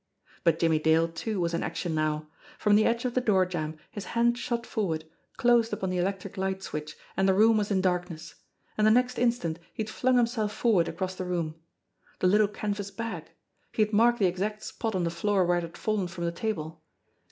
But Jimmie Dale, too, was in action now. From the edge of the door jamb his hand shot forward, closed upon the 206 JIMMIE DALE AND THE PHANTOM CLUE electric light switch, and the room was in darkness. And the next instant he had flung himself forward across the room. The little canvas bag ! He had marked the exact spot on the floor where it had fallen from the table.